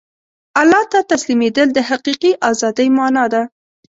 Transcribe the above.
الله ته تسلیمېدل د حقیقي ازادۍ مانا ده.